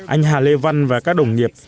anh hà lê văn và các đồng nghiệp